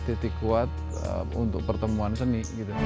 titik kuat untuk pertemuan seni